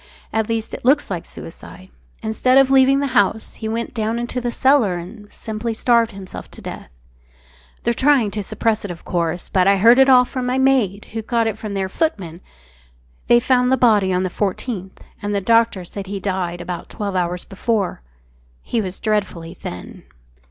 At least, it looks like suicide. Instead of leaving the house, he went down into the cellar and simply starved himself to death. ... They're trying to suppress it, of course, but I heard it all from my maid, who got it from their footman. ... They found the body on the 14th and the doctor said he had died about twelve hours before. ... He was dreadfully thin.